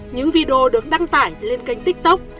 những video được đăng tải lên kênh tiktok